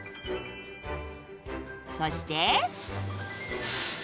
そして